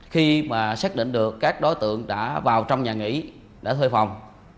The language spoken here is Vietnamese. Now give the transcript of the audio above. khi mà xác định được các đối tượng đã vào trong nhà nghỉ để thuê phòng